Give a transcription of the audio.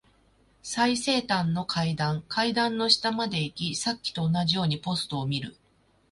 最西端の階段。階段の下まで行き、さっきと同じようにポストを見る。